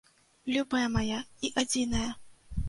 Любая мая і адзіная!